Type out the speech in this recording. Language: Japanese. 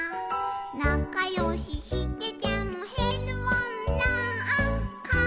「なかよししててもへるもんなー」